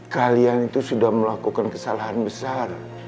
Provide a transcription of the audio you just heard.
kalian itu sudah melakukan kesalahan besar